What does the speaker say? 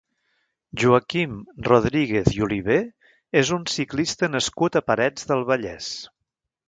Joaquim Rodríguez i Oliver és un ciclista nascut a Parets del Vallès.